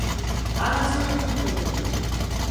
Hágase estas preguntas: